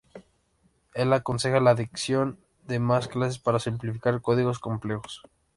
Él aconseja la adición de más clases para simplificar códigos complejos.